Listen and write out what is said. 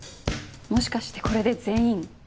もしかしてこれで全員？